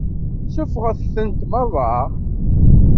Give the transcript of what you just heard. Suffɣet-tent meṛṛa.